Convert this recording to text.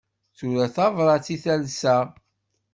Tura tabrat i talsa.